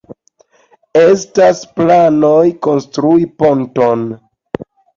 Estas planoj konstrui ponton.